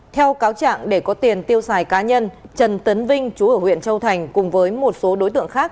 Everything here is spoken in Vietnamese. theo cáo trạng để có tiền tiêu xài cá nhân trần tấn vinh chú ở huyện châu thành cùng với một số đối tượng khác